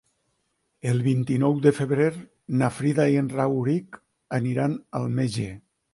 El vint-i-nou de febrer na Frida i en Rauric aniran al metge.